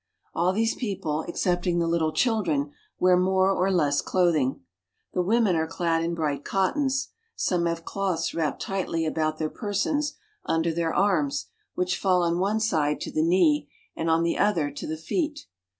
All these people excepting the little children wear more I or iess clothing. The women are clad in bright cottons. Some have cloths wrapped tightly about their persons ■ under the arms, which fall on one side to the knee, and the other to the feet.